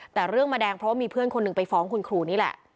แต่เรื่องมาแดงเพราะว่ามีเพื่อนคนหนึ่งไปฟ้องคุณครูนี่แหละ